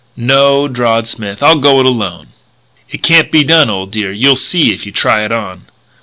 "No," drawled Smith, "I'll go it alone." "It can't be done, old dear. You'll see if you try it on."